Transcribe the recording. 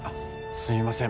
すいません